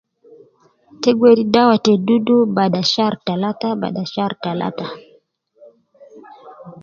Tegi wedi dawa te dudu bada shar talata bada shar talata